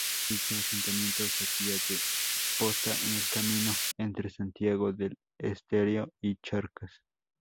Dicho asentamiento servía de posta en el camino entre Santiago del Estero y Charcas.